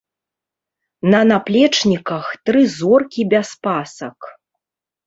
На наплечніках тры зоркі без пасак.